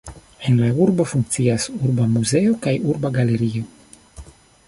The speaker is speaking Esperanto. En la urbo funkcias Urba muzeo kaj Urba galerio.